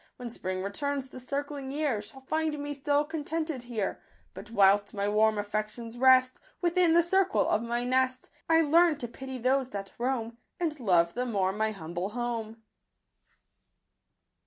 When spring returns, the circling year Shall find me still contented here ; But whilst my warm affections rest Within the circle of my nest, I learn to pity those that roam, And love the more my humble home."